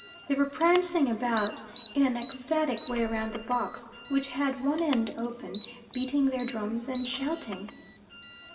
They were prancing about in an ecstatic way round the box, which had one end open, beating their drums and shouting.